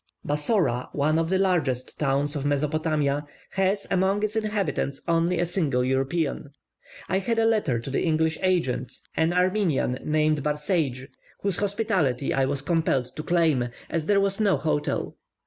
Bassora, one of the largest towns of Mesopotamia, has among its inhabitants only a single European. I had a letter to the English agent, an Armenian named Barseige, whose hospitality I was compelled to claim, as there was no hotel.